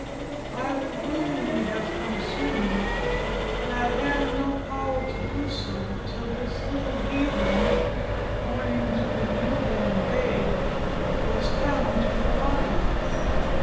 I would willingly have come sooner, but I had no power to do so till this little heathen (pointing to the new born babe) was come to the light.